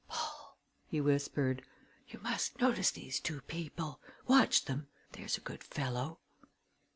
"Paul," he whispered, "you must notice these two people. Watch them there's a good fellow!"